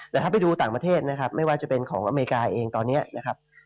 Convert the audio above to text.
แต่ถ้าไปดูต่างประเทศนะครับไม่ว่าจะเป็นของอเมริกาเองตอนนี้นะครับ